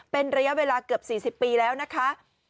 เป็นระยะเวลาเกือบ๔๐ปีแล้วนะคะ